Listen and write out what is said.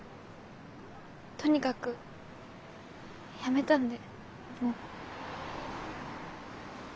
とにかく辞めたんでもう。